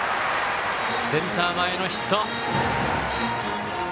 センター前のヒット。